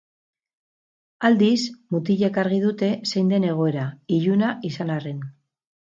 Aldiz, mutilek argi dute zein den egoera, iluna izan arren.